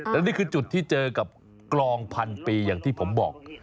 และนี่คือจุดที่เจอกับกลองพันปีอย่างที่ผมบอก